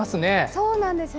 そうなんです。